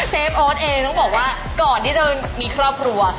ฟออสเองต้องบอกว่าก่อนที่จะมีครอบครัว